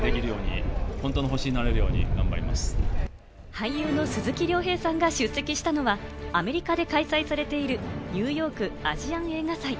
俳優の鈴木亮平さんが出席したのはアメリカで開催されているニューヨーク・アジアン映画祭。